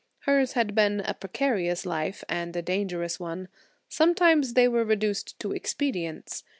Hers had been a precarious life and a dangerous one. Sometimes they were reduced to expedients.